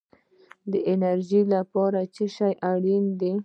د انرژۍ لپاره څه شی اړین دی؟